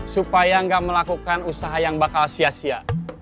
supaya nggak melakukan usaha yang bakal sia sia